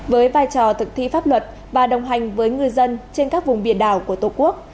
với vai trò thực thi pháp luật và đồng hành với ngư dân trên các vùng biển đảo của tổ quốc